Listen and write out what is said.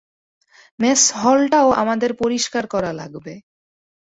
Mace hall টাও আমাদের পরিষ্কার করা লাগবে।